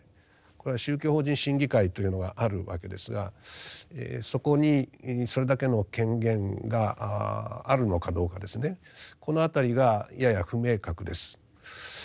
これは宗教法人審議会というのがあるわけですがそこにそれだけの権限があるのかどうかですねこの辺りがやや不明確です。